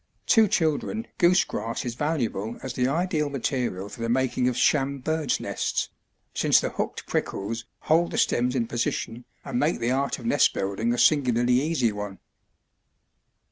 To children goose grass is valuable as the ideal material for the making of sham birdsŌĆÖ nests, since the hooked prickles hold the stems in position and make the art of nest building a singularly easy one.